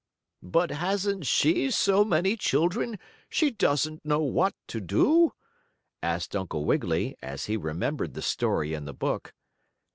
"But hasn't she so many children she doesn't know what to do?" asked Uncle Wiggily, as he remembered the story in the book.